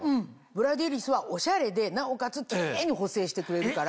ブラデリスはおしゃれでなおかつキレイに補整してくれるから。